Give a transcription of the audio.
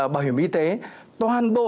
bảo hiểm y tế toàn bộ